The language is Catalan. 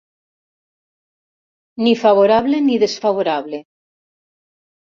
Ni favorable ni desfavorable.